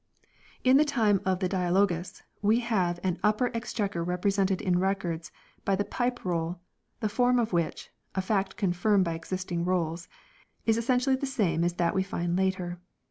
In the time of the " Dialogus" we have an Upper in the time of Exchequer represented in Records by the Pipe Roll, g U e s . Dl the form of which (a fact confirmed by existing rolls), Upper Ex is essentially the same as that we find later.